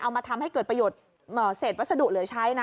เอามาทำให้เกิดประโยชน์เศษวัสดุเหลือใช้นะ